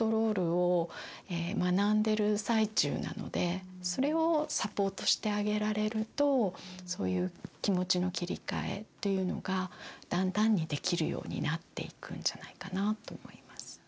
子どもはそれをサポートしてあげられるとそういう気持ちの切り替えというのがだんだんにできるようになっていくんじゃないかなと思います。